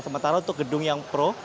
sementara untuk gedung yang pro